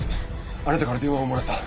あなたから電話をもらった。